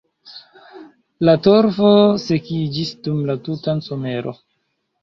La torfo sekiĝis dum la tuta somero.